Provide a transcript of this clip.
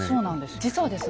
実はですね